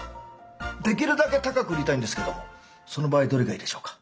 できるだけ高く売りたいんですけどその場合どれがいいでしょうか？